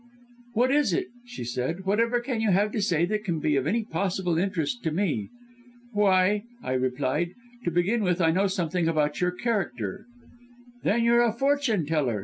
"'What is it?' she said, 'whatever can you have to say that can be of any possible interest to me?' "'Why,' I replied, 'to begin with I know something about your character!' "'Then you're a fortune teller!'